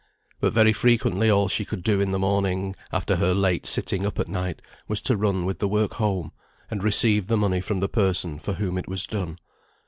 But very frequently all she could do in the morning, after her late sitting up at night, was to run with the work home, and receive the money from the person for whom it was done.